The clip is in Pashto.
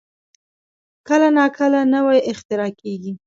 کله نا کله نوې اختراع کېږي.